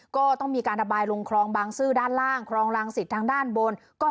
ก็ต้องมีการระบายลงคลองบางซื่อด้านล่างคลองรังสิตทางด้านบน